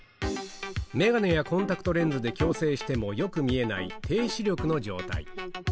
眼鏡やコンタクトレンズで矯正してもよく見えない、低視力の状態。